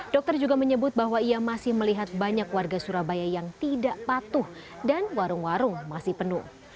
dokter juga menyebut bahwa ia masih melihat banyak warga surabaya yang tidak patuh dan warung warung masih penuh